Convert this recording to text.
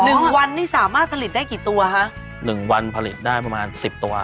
หนึ่งวันนี้สามารถผลิตได้กี่ตัวคะหนึ่งวันผลิตได้ประมาณสิบตัว